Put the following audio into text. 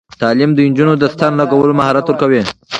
تعلیم نجونو ته د ستن لګولو مهارت ورکوي.